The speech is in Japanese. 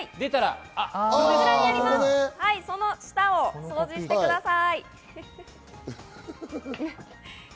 下を掃除してください。